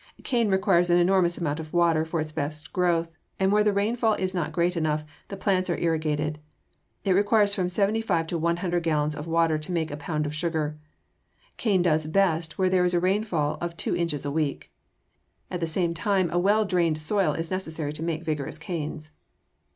Cane requires an enormous amount of water for its best growth, and where the rainfall is not great enough, the plants are irrigated. It requires from seventy five to one hundred gallons of water to make a pound of sugar. Cane does best where there is a rainfall of two inches a week. At the same time a well drained soil is necessary to make vigorous canes.